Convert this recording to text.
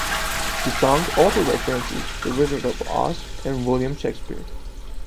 The song also references "The Wizard of Oz" and William Shakespeare.